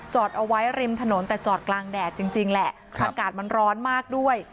เอาไว้ริมถนนแต่จอดกลางแดดจริงแหละอากาศมันร้อนมากด้วย